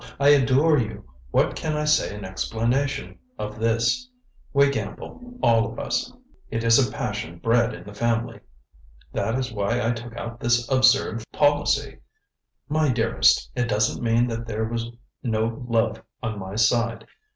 I adore you. What can I say in explanation of this. We gamble, all of us it is a passion bred in the family. That is why I took out this absurd policy. My dearest it doesn't mean that there was no love on my side.